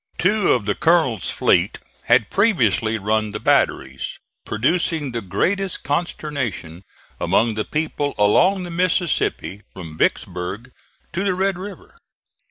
Two of the Colonel's fleet had previously run the batteries, producing the greatest consternation among the people along the Mississippi from Vicksburg (*10) to the Red River.